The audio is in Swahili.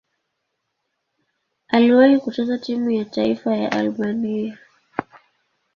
Aliwahi kucheza timu ya taifa ya Albania.